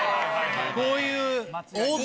こういう。